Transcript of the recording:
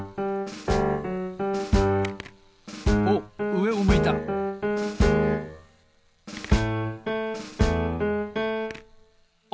おっうえを向いたお！